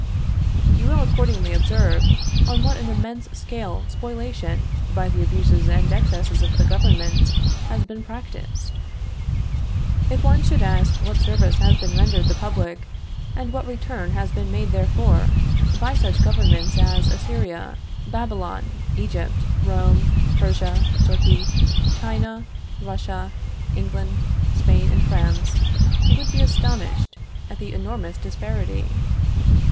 You will accordingly observe on what an immense scale spoliation, by the abuses and excesses of the government, has been practiced. If one should ask what service has been rendered the public, and what return has been made therefor, by such governments as Assyria, Babylon, Egypt, Rome, Persia, Turkey, China, Russia, England, Spain and France, he would be astonished at the enormous disparity.